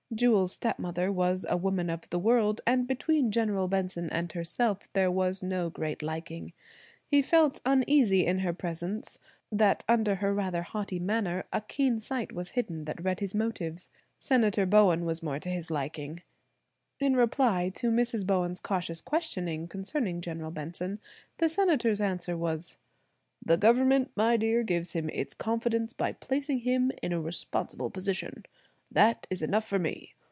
Jewel's stepmother was a woman of the world, and between General Benson and herself there was no great liking. He felt uneasy in her presence, that under her rather haughty manner a keen sight was hidden that read his motives. Senator Bowen was more to his liking. In reply to Mrs. Bowen's cautious questioning concerning General Benson, the Senator's answer was: "The government, my dear, gives him its confidence by placing him in a responsible position. That is enough for me.